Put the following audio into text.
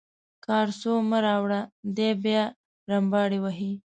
کارسو مه راوړه دی بیا رمباړې وهي.